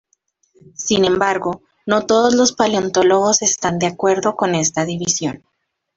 Sin embargo, no todos los paleontólogos están de acuerdo con esta división.